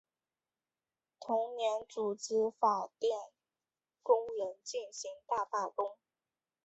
同年组织法电工人进行大罢工。